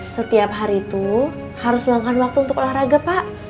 setiap hari itu harus luangkan waktu untuk olahraga pak